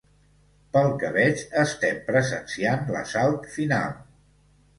Pel que veig, estem presenciant l’assalt final.